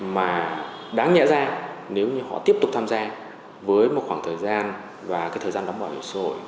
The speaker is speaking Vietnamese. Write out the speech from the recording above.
mà đáng nhẽ ra nếu như họ tiếp tục tham gia với một khoảng thời gian và thời gian đóng bảo hiểm xã hội